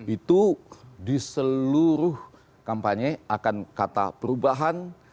itu di seluruh kampanye akan kata perubahan